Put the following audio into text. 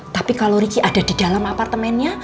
tapi kalo riki ada di dalam apartemennya